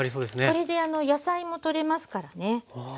これで野菜もとれますからね。